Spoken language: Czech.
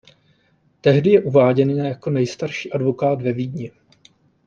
Tehdy je uváděn jako nejstarší advokát ve Vídni.